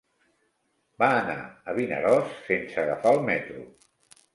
Va anar a Vinaròs sense agafar el metro.